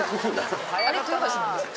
あれ豊橋なんですよ。